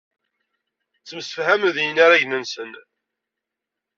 Ttemsefhamen d yinaragen-nsen.